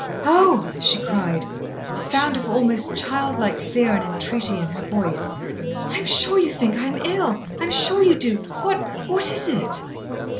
"Oh!" she cried, a sound of almost child like fear and entreaty in her voice. "I am sure you think I am ill, I am sure you do. What what is it?"